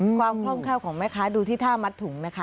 ความคล่องแคล่วของแม่ค้าดูที่ท่ามัดถุงนะคะ